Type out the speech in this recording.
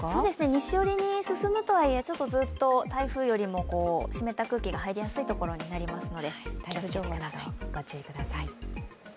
西寄りに進むとはいえ、ずっと台風よりも湿った空気が入るところになるので気をつけてください。